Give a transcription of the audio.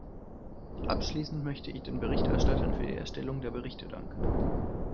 Abschließend möchte ich den Berichterstattern für die Erstellung der Berichte danken.